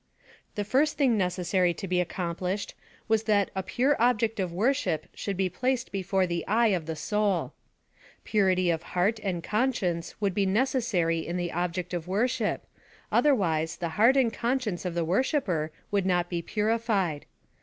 The first thing necessary to be accomplished was that a jrnre object of worship should be placed before the eye of the soid. Purity of heart and con science would be necessary in the object of worship, otherwise, the heart and conscience of the worship per would not be purified.